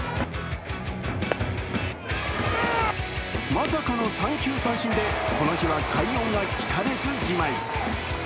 まさかの三球三振でこの日は快音が聞かれずじまい。